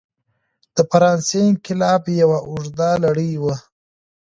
د فرانسې انقلاب یوه اوږده لړۍ وه.